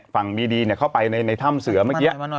ฝั่งมีดีเข้าไปในถ้ำเสือเมื่อกี้